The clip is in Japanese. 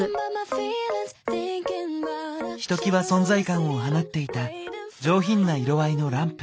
ひときわ存在感を放っていた上品な色合いのランプ。